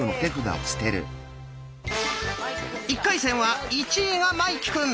１回戦は１位が茉生くん。